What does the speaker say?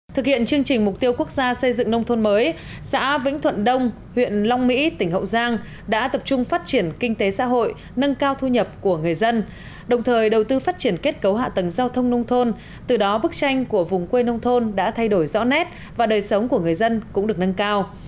thực hiện chương trình mục tiêu quốc gia xây dựng nông thôn mới xã vĩnh thuận đông huyện long mỹ tỉnh hậu giang đã tập trung phát triển kinh tế xã hội nâng cao thu nhập của người dân đồng thời đầu tư phát triển kết cấu hạ tầng giao thông nông thôn từ đó bức tranh của vùng quê nông thôn đã thay đổi rõ nét và đời sống của người dân cũng được nâng cao